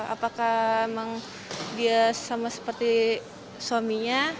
apakah memang dia sama seperti suaminya